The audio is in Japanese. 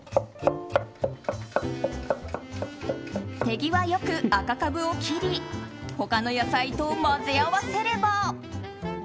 手際よく、赤カブを切り他の野菜と混ぜ合わせれば。